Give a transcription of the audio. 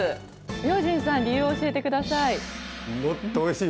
明神さん理由を教えてください。